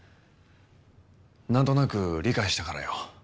なんとなく理解したからよ。